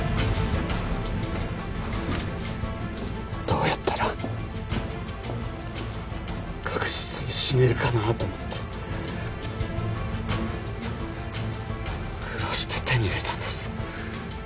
どうやったら確実に死ねるかなと思って苦労して手に入れたんです。